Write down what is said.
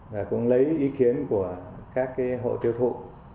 và cũng lấy ý kiến của các hộ tiêu thụ